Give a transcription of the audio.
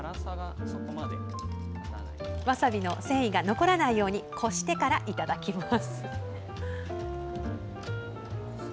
わさびの繊維が残らないようにこしてから、いただきます。